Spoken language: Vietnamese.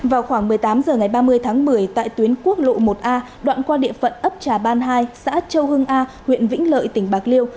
vào khoảng một mươi tám h ngày ba mươi tháng một mươi tại tuyến quốc lộ một a đoạn qua địa phận ấp trà ban hai xã châu hưng a huyện vĩnh lợi tỉnh bạc liêu